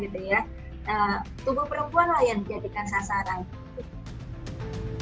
tubuh perempuan lah yang dijadikan sasaran